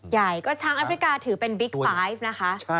ใหญ่ก็ช้างแอฟริกาถือเป็นบิ๊กไฟฟ์นะคะ